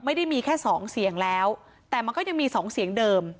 ไม่ได้มีแค่สองเสียงแล้วแต่มันก็ยังมีสองเสียงเดิม